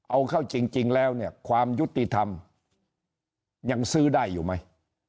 เอาเข้าจริงแล้วเนี่ยความยุติธรรมยังซื้อได้อยู่ไหม